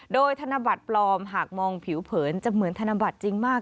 โดยธนบัตรปลอมหากมองผิวเผินจะเหมือนธนบัตรจริงมาก